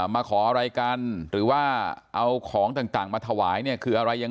มาขออะไรกันหรือว่าเอาของต่างมาถวายเนี่ยคืออะไรยังไง